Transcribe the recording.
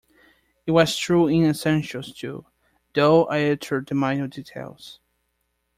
It was true in essentials, too, though I altered the minor details.